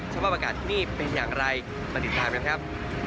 สภาพอากาศที่นี่เป็นอย่างไรมาติดตามกันครับ